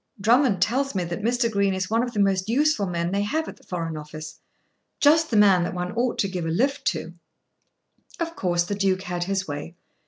"Drummond tells me that Mr. Green is one of the most useful men they have at the Foreign Office; just the man that one ought to give a lift to." Of course the Duke had his way.